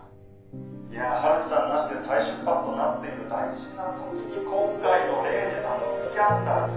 「いや陽樹さんなしで再出発となっている大事な時に今回のレイジさんのスキャンダル。